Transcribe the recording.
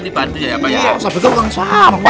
tidak ini bukan tukang sampah